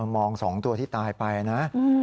มอง๒ตัวที่ตายไปนะ